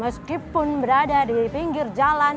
meskipun berada di pinggir jalan